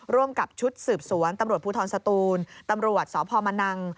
ร่วมกับชุดสืบสวนตำรวจภูทรสตูนตำรวจสพมนัง